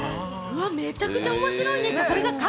めちゃくちゃ面白いね。